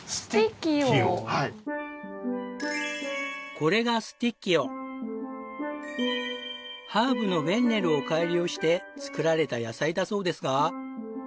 これがハーブのフェンネルを改良して作られた野菜だそうですが。